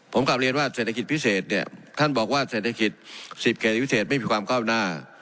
ผมกลับเรียนว่าเศรษฐกิจพิเศษเนี่ยท่านบอกว่าเศรษฐกิจ๑๐เขตพิเศษไม่มีความก้าวหน้า